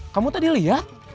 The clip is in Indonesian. kamu tadi liat